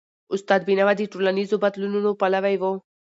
استاد بینوا د ټولنیزو بدلونونو پلوی و.